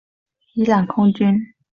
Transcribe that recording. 伊朗空军。